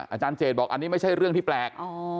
อาจารย์เจตบอกอันนี้ไม่ใช่เรื่องที่แปลก